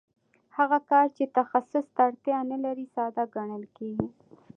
هغه کار چې تخصص ته اړتیا نلري ساده ګڼل کېږي